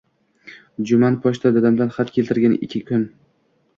Juman «pochta» dadamdan xat keltirgan kun